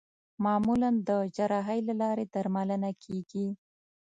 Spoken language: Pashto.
معمولا د جراحۍ له لارې درملنه کېږي.